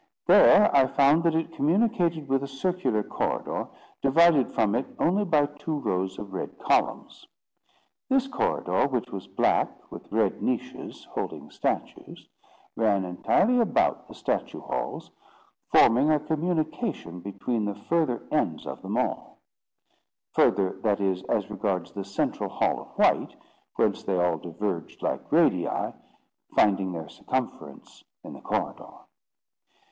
There I found that it communicated with a circular corridor, divided from it only by two rows of red columns. This corridor, which was black, with red niches holding statues, ran entirely about the statue halls, forming a communication between the further ends of them all; further, that is, as regards the central hall of white whence they all diverged like radii, finding their circumference in the corridor.